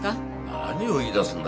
何を言い出すんだ？